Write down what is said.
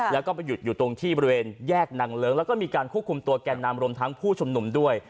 แล้วก็ไปหยุดอยู่ตรงที่บริเวณแยกนางเลิ้งแล้วก็มีการควบคุมตัวแก่นนำรวมทั้งผู้ชุมนุมด้วย